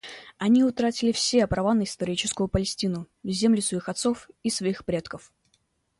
Они утратили все права на историческую Палестину — землю своих отцов и своих предков.